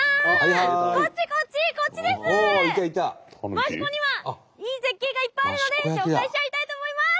益子にはいい絶景がいっぱいあるので紹介しちゃいたいと思います！